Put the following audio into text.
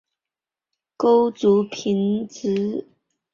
钩足平直蚤为盘肠蚤科平直蚤属的动物。